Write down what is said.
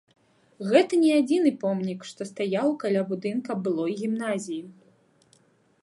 Гэта не адзіны помнік, што стаяў каля будынка былой гімназіі.